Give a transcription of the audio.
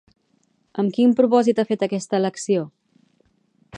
Amb quin propòsit ha fet aquesta elecció?